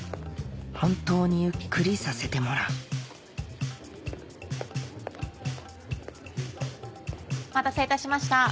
本当にゆっくりさせてもらうお待たせいたしました。